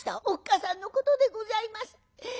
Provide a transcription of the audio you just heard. おっかさんのことでございます。